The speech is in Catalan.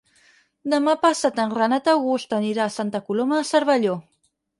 Demà passat en Renat August anirà a Santa Coloma de Cervelló.